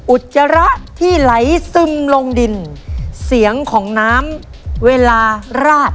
อุจจาระที่ไหลซึมลงดินเสียงของน้ำเวลาราด